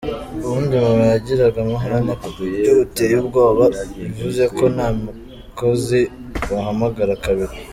Ubundi mama yagiraga amahane ku buryo buteye ubwoba, bivuze ko nta mukozi wahamaraga kabiri.